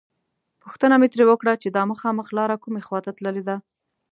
پوښتنه مې ترې وکړه چې دا مخامخ لاره کومې خواته تللې ده.